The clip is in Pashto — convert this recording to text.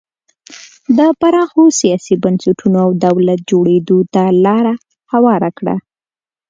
د پراخو سیاسي بنسټونو او دولت جوړېدو ته لار هواره کړه.